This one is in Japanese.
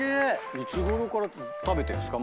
いつごろから食べてるんですか？